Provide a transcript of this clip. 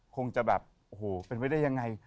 คงจะแบบโอ้โหเป็นไปได้ยังไง